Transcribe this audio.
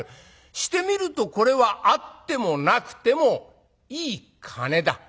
してみるとこれはあってもなくてもいい金だ。